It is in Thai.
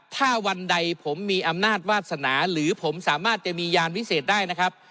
ถ้าวันใดผมมีอำนาจวาสนาหรือผมสามารถจะมียานวิเศษได้นะครับ